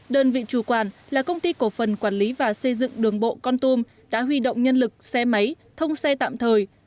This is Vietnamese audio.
đơn vị chủ quản là công ty cổ phần quản lý và xây dựng đường bộ con tum đã huy động nhân lực xe máy thông xe tạm thời